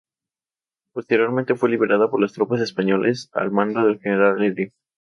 Posteriormente, fue liberada por las tropas españolas al mando del general Elío.